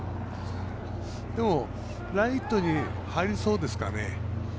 でもライトに入りそうですかね。